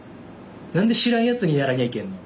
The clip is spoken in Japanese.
何で知らんやつにやらにゃいけんの。